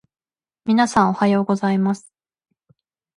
皆さん、おはようございます。